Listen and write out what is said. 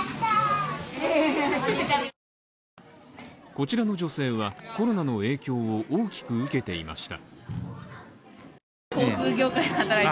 こちらの女性はコロナの影響を大きく受けていました。